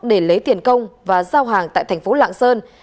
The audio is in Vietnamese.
để lấy tiền công và giao hàng tại thành phố lạng sơn